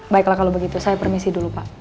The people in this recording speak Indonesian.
baiklah kalau begitu saya permisi dulu pak